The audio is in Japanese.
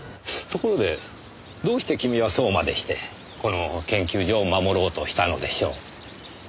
ところでどうして君はそうまでしてこの研究所を守ろうとしたのでしょう？